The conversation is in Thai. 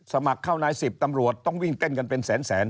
สมัครเข้านาย๑๐ตำรวจต้องวิ่งเต้นกันเป็นแสน